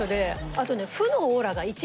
あとね。